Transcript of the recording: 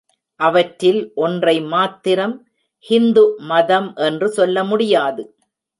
அவற்றில் ஒன்றை மாத்திரம் ஹிந்து மதம் என்று சொல்ல முடியாது.